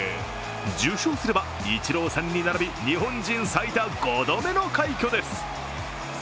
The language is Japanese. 受賞すればイチローさんに並び日本人最多５度目の快挙です。